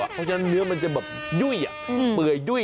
เพราะฉะนั้นเนื้อมันจะแบบยุ่ยเปื่อยยุ่ย